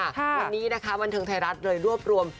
วันนี้นะคะบันเทิงไทยรัฐเลยรวบรวม